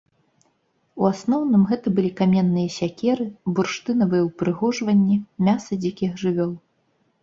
У асноўным гэта былі каменныя сякеры, бурштынавыя ўпрыгожванні, мяса дзікіх жывёл.